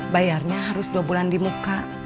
bayarnya harus dua bulan di muka